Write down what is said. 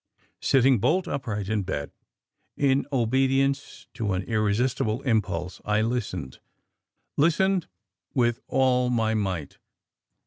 Sitting bolt upright in bed, in obedience to an irresistible impulse, I listened, listened with all my might.